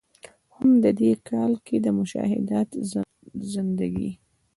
هم د ې کال کښې د“مشاهدات زندګي ”